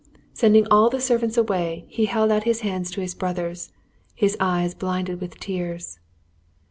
Sending all the servants away he held out his hands to his brothers, his eyes blinded with tears.